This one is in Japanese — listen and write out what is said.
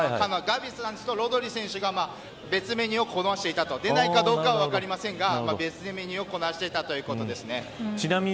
ガヴィ選手とロドリ選手が別メニューをこなしていた出るか出ないかは分かりませんが別メニューをこなしていたということですね。